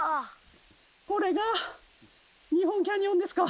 これが日本キャニオンですか！